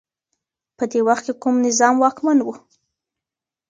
په دې وخت کي کوم نظام واکمن و؟